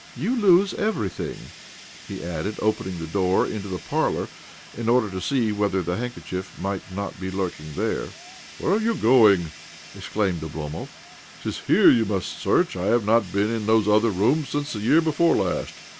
"You lose everything," he added, opening the door OBLOMOV 19 into the parlour in order to see whether the handkerchief might not be lurking there.. "Where are you going?" exclaimed Oblomov. " 'Tis here you must search. I have not been into those other rooms since the year before last.